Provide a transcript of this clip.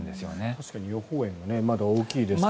確かに予報円がまだ大きいですから。